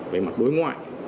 về mặt đối ngoại